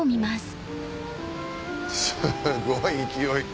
すごい勢い。